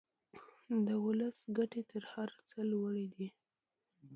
د ولس ګټې تر هر څه لوړې دي.